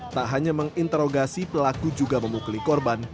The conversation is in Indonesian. tak hanya menginterogasi pelaku juga memukuli korban